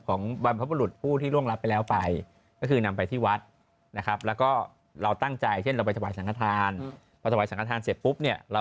ก็ไปด้วยกันสิคะถ้าพร้อมเราก็ซื้อตัวให้หน่อยค่ะ